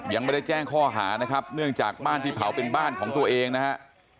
ยังไม่ได้แจ้งข้อหานะครับเนื่องจากบ้านที่เผาเป็นบ้านของตัวเองนะฮะ